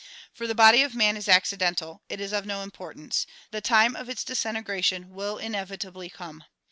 For the body of man is accidental ; it is of no importance. The time of its disintegration will inevitably come.